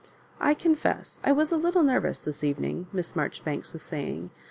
*' I con fess I was a little nervous this evening," Miss Marjoribanks was saying.